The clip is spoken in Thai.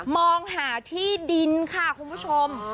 มองหาที่ดินค่ะคุณผู้ชม